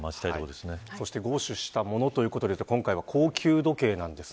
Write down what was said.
強取したもので、ということで今回は高級時計です。